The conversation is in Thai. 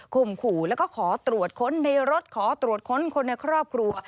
ขู่แล้วก็ขอตรวจค้นในรถขอตรวจค้นคนในครอบครัว